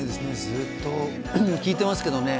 ずっと聴いてますけどね。